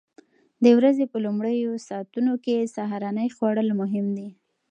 د ورځې په لومړیو ساعتونو کې سهارنۍ خوړل مهم دي.